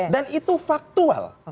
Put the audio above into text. dan itu faktual